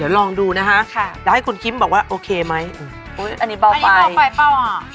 เดี๋ยวลองดูนะฮะแล้วให้คุณคริมบอกว่าโอเคไหมอุ๊ยอันนี้เบาไปอันนี้เบาไปเปล่าหรอ